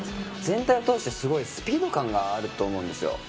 全体を通して、すごいスピード感があると思うんですよ。